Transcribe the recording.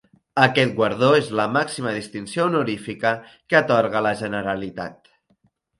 Aquest guardó és la màxima distinció honorífica que atorga la Generalitat.